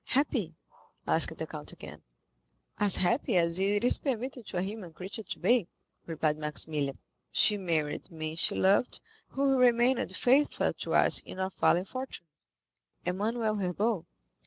"Happy?" asked the count again. "As happy as it is permitted to a human creature to be," replied Maximilian. "She married the man she loved, who remained faithful to us in our fallen fortunes—Emmanuel Herbaut."